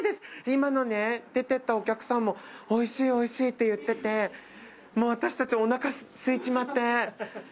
今のね出てったお客さんもおいしいおいしいって言っててもう私たちおなかすいちまって。